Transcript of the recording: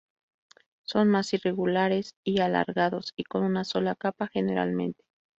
Son más irregulares y alargados y con una sola capa generalmente.